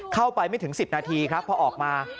เข้าไปไม่ถึง๑๐นาทีครับพอออกมา